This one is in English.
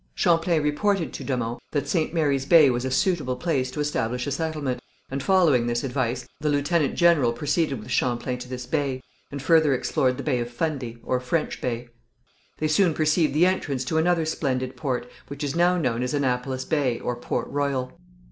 Champlain reported to de Monts that St. Mary's Bay was a suitable place to establish a settlement, and, following this advice, the lieutenant general proceeded with Champlain to this bay, and further explored the Bay of Fundy, or French Bay. They soon perceived the entrance to another splendid port, which is now known as Annapolis Bay, or Port Royal.